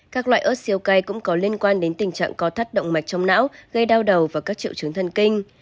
các loại ớt siêu cay cũng có liên quan đến tình trạng có thắt động mạch trong não gây đau đầu và các triệu chứng thần kinh